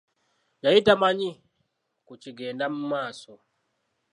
Yali tamanyi ku kigenda mu maaso.